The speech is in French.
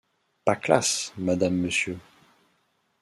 Pas classe, madame Monsieur